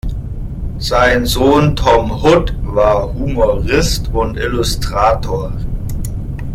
Sein Sohn Tom Hood war Humorist und Illustrator.